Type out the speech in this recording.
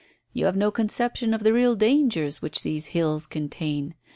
"You have no conception of the real dangers which these hills contain.